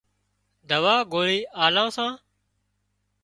دوا ڳوۯِي آلان سان